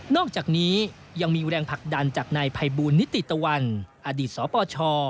อกจากนี้ยังมีแรงผลักดันจากนายภัยบูลนิติตะวันอดีตสปช